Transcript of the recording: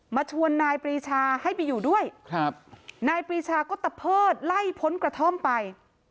มาชวนนายปรีชาให้ไปอยู่ด้วยครับนายปรีชาก็ตะเพิดไล่พ้นกระท่อมไป